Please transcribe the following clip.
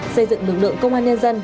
xây dựng lực lượng công an nhân dân